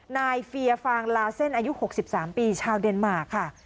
เฟียฟางลาเส้นอายุ๖๓ปีชาวเดนมาร์ค่ะ